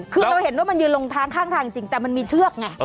คือเราเห็นว่ามันยืนลงทางข้างทางจริงแต่มันมีเชือกไง